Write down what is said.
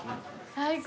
最高！